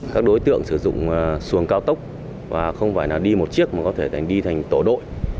các đối tượng sử dụng xuồng cao tốc và không phải đi một chiếc mà có thể đi thành tổ đội